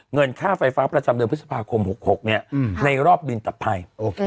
เงินค่าไฟฟ้าประจำเดือนพฤษภาคม๖๖ในรอบบินตัดภัย